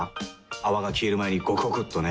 泡が消える前にゴクゴクっとね。